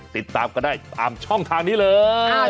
ติดตามก็ได้ตามช่องทางนี้เลย